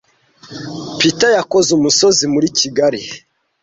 Peter yakoze umusozi muri kigai